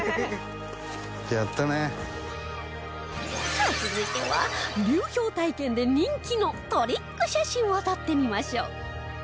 さあ続いては流氷体験で人気のトリック写真を撮ってみましょう